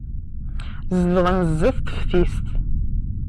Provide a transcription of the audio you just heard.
Zedɣen sdat teftist.